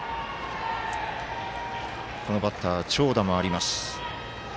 このバッター、長打があります。